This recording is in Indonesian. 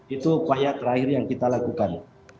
itu upaya terakhir yang kita lakukan